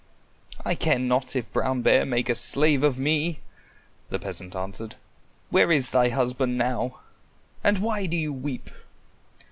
"I care not if Brown Bear make a slave of me," the peasant answered. "Where is thy husband now, and why do you weep?"